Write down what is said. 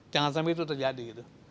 jangan sampai itu terjadi